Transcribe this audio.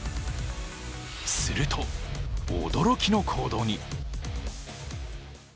すると、驚きの行動に。